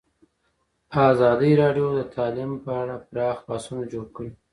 ازادي راډیو د تعلیم په اړه پراخ بحثونه جوړ کړي.